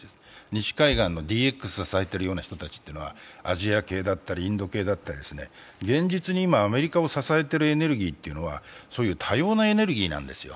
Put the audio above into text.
西海岸のＤＸを支えている人たちなんてというのはアジア系だったりインド系だったり現実に今アメリカを支えているエネルギーというのはそういう多様なエネルギーなんですよ。